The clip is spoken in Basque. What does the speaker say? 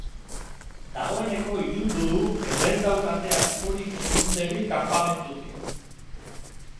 Dagoeneko ilundu du eta ez daukate askorik urruntzerik kanpamentutik.